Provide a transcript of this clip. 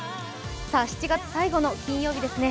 さあ、７月最後の金曜日ですね。